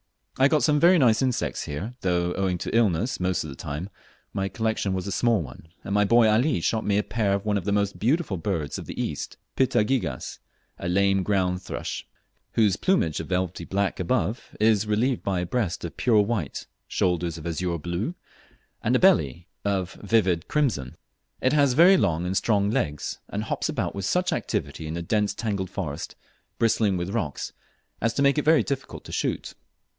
I got some very nice insects here, though, owing to illness most of the time, my collection was a small one, and my boy Ali shot me a pair of one of the most beautiful birds of the East, Pitta gigas, a lame ground thrush, whose plumage of velvety black above is relieved by a breast of pure white, shoulders of azure blue, and belly of vivid crimson. It has very long and strong legs, and hops about with such activity in the dense tangled forest, bristling with rocks, as to make it very difficult to shoot.